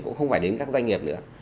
cũng không phải đến các doanh nghiệp nữa